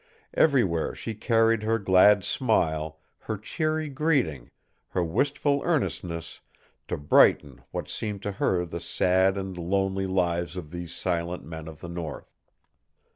Everywhere she carried her glad smile, her cheery greeting, her wistful earnestness, to brighten what seemed to her the sad and lonely lives of these silent men of the North.